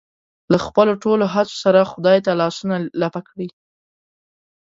له خپلو ټولو هڅو سره خدای ته لاسونه لپه کړي.